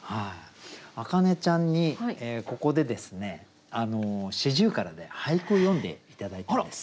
明音ちゃんにここでですね「四十雀」で俳句を詠んで頂いたんです。